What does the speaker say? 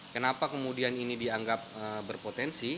kenapa kemudian ini dianggap berpotensi